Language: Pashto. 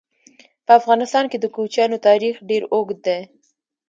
په افغانستان کې د کوچیانو تاریخ ډېر اوږد دی.